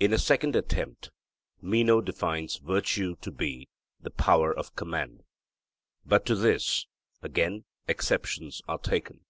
In a second attempt Meno defines virtue to be 'the power of command.' But to this, again, exceptions are taken.